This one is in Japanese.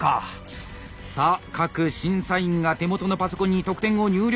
さあ各審査員が手元のパソコンに得点を入力。